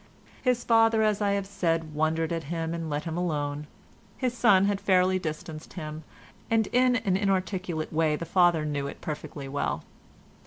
His father, as I have said, wondered at him and let him alone. His son had fairly distanced him, and in an inarticulate way the father knew it perfectly well.